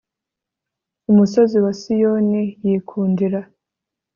umusozi wa siyoni yikundira